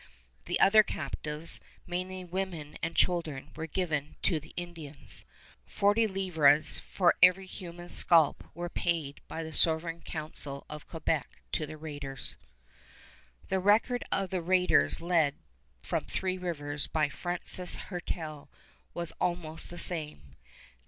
The other captives, mainly women and children, were given to the Indians. Forty livres for every human scalp were paid by the Sovereign Council of Quebec to the raiders. [Illustration: FRENCH SOLDIER OF THE PERIOD] The record of the raiders led from Three Rivers by François Hertel was almost the same.